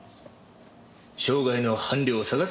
生涯の伴侶を探すかい？